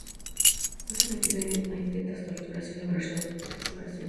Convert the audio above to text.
Fue sometido a intensas torturas, sin lograr su abjuración.